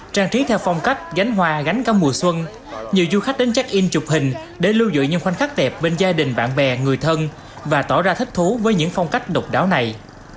trang trí theo phong cách gánh hoa gánh cả mùa xuân nhiều du khách đến check in chụp hình để lưu dụi những khoảnh khắc đẹp bên gia đình bạn bè người thân và tỏ ra thích thú với những phong cách độc đáo này